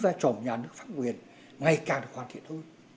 và các nhà nước phát quyền ngày càng được hoàn thiện hơn